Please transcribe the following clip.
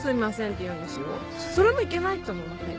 それもいけないと思いません？